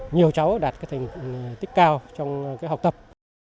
nhiều cháu đạt thành tích cao trong học tập